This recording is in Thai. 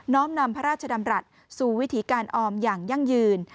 ้อมนำพระราชดำรัฐสู่วิถีการออมอย่างยั่งยืน